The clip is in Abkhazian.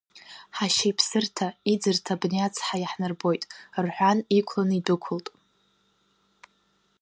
Ҳашьа иԥсырҭа, иӡырҭа абни ацҳа иаҳнарбоит, — рҳәан, иқәланы идәықәылт.